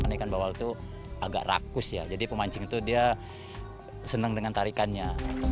ikan bawal itu agak rakus ya jadi pemancing itu dia senang dengan tarikannya